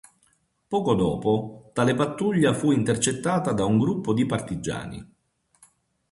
Poco dopo, tale pattuglia fu intercettata da un gruppo di partigiani.